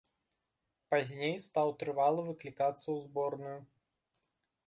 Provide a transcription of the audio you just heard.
Пазней стаў трывала выклікацца ў зборную.